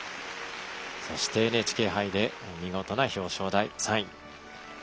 そしてＮＨＫ杯で見事な表彰台、３位。